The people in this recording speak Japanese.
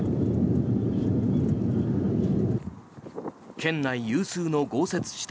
県内有数の豪雪地帯